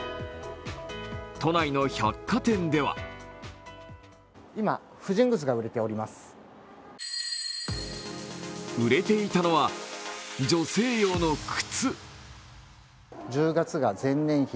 都内の百貨店では売れていたのは女性用の靴。